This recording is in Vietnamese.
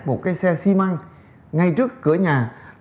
một cái xe xi măng ngay trước cửa nhà